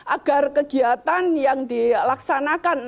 agar kegiatan yang dilaksanakan